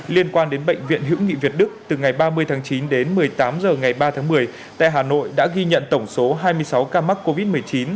liên quan đến bệnh viện hữu nghị việt đức từ ngày ba mươi tháng chín đến một mươi tám h ngày ba tháng một mươi tại hà nội đã ghi nhận tổng số hai mươi sáu ca mắc covid một mươi chín